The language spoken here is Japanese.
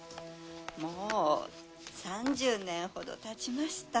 もう３０年ほどたちました。